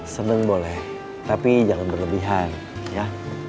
seneng boleh tapi jangan berlebihan ya